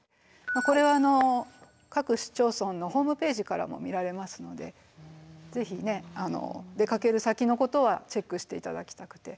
これは各市町村のホームページからも見られますのでぜひね出かける先のことはチェックして頂きたくて。